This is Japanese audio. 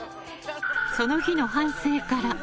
その日の反省から。